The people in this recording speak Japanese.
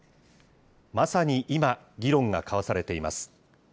まさに今、議論が交わされています。